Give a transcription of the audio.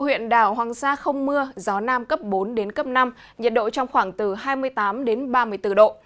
huyện đảo hoàng sa không mưa gió nam cấp bốn năm nhiệt độ trong khoảng từ hai mươi tám ba mươi bốn độ